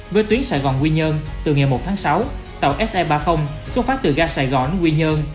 với tuyến sài gòn quy nhơn từ ngày một tháng sáu tàu se ba mươi xuất phát từ ga sài gòn quy nhơn